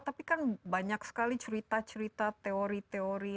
tapi kan banyak sekali cerita cerita teori teori